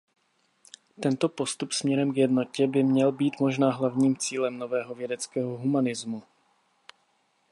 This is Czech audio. Tento postup směrem k jednotě by měl být možná hlavním cílem nového vědeckého humanismu.